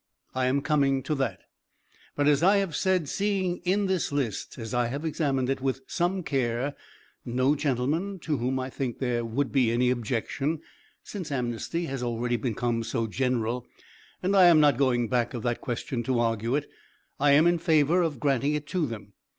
I am coming to that. But as I have said, seeing in this list, as I have examined it with some care, no gentleman to whom I think there would be any objection, since amnesty has already become so general and I am not going back of that question to argue it I am in favor of granting it to them.